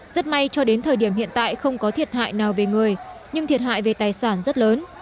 rất may cho đến thời điểm hiện tại không có thiệt hại nào về người nhưng thiệt hại về tài sản rất lớn